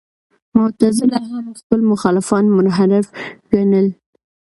معتزله هم خپل مخالفان منحرف ګڼل.